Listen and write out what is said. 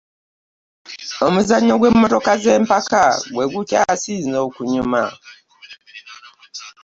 Omuzannyo gw'emmotoka z'empaka gwe gukyasinze okunyuma.